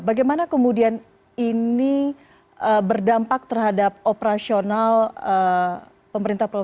bagaimana kemudian ini berdampak terhadap operasional pemerintah